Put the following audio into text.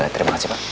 terima kasih pak